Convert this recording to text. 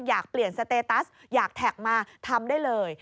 อยากเปลี่ยนสเตตัสอยากแท็กมาทำได้เลย